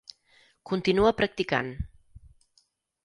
Continua practicant.